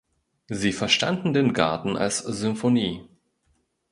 Sie verstanden den Garten als Symphonie.